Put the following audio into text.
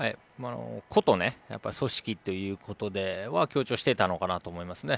個と組織ということで強調していたのかなと思いますね。